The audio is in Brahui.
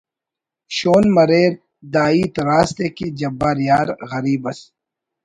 شون مریر دا ہیت راست ءِ کہ جبار یار غریب ئس